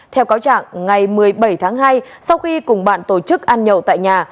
theo cáo trạng ngày một mươi bảy tháng hai sau khi cùng bạn tổ chức ăn nhậu tại nhà